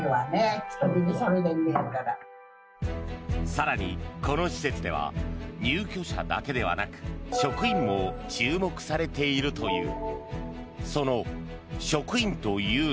更に、この施設では入居者だけではなく職員も注目されているという。